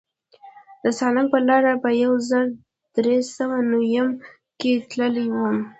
د سالنګ پر لاره په یو زر در سوه نویم کې تللی وم.